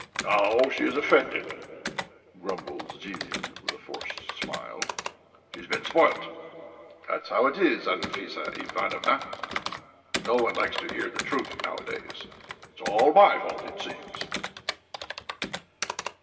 "Now she is offended," grumbles Zhilin, with a forced smile. "She's been spoilt.... That's how it is, Anfissa Ivanovna; no one likes to hear the truth nowadays.... It's all my fault, it seems."